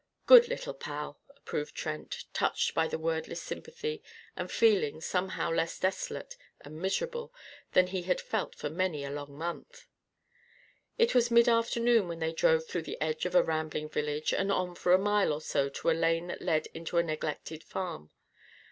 "Good little pal!" approved Trent, touched at the wordless sympathy and feeling somehow less desolate and miserable than he had felt for many a long month. It was mid afternoon when they drove through the edge of a rambling village and on for a mile or so to a lane that led into a neglected farm.